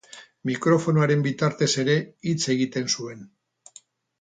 Mikrofonoaren bitartez ere hitz egiten zuen.